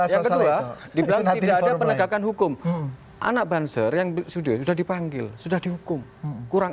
yang kedua dibilang tidak ada penegakan hukum anak banser yang sudah sudah dipanggil sudah dihukum kurang